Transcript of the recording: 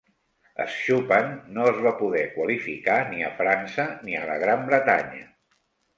Schuppan no es va poder qualificar ni a França ni a la Gran Bretanya.